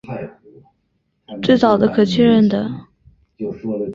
最早的可确认的盾皮鱼生活在晚期志留纪。